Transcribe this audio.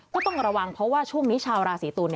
ก็ต้องระวังเพราะว่าช่วงนี้ชาวราศีตุล